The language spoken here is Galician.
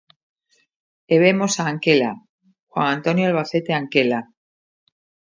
E vemos a Anquela, Juan Antonio Albacete Anquela.